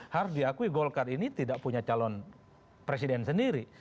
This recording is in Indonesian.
harus diakui golkar ini tidak punya calon presiden sendiri